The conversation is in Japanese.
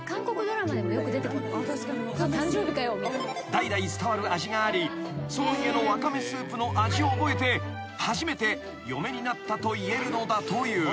［代々伝わる味がありその家のわかめスープの味を覚えて初めて嫁になったと言えるのだという］